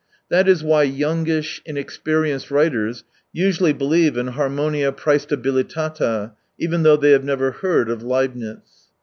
That is why youngish, inexperienced writers usually believe in harmonia prcestabilitata, even though they have never heard of Leibnitz.